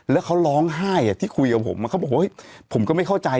แล้วเขาร้องไห้ที่คุยกับผมเขาบอกว่าผมก็ไม่เข้าใจ